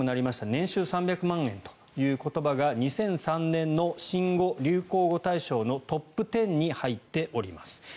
年収３００万円という言葉が２００３年の新語・流行語大賞のトップ１０に入っております。